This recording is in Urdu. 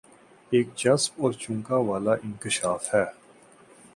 ایک چسپ اور چونکا د والا انکشاف ہے